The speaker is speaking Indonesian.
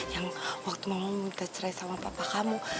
yang waktu mau minta cerai sama papa kamu